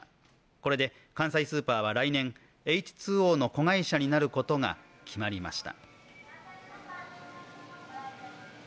これで関西スーパーは来年、エイチ・ツー・オーの子会社になることが決まりました。